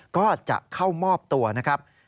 ก็จะเข้ามอบตัวนะครับ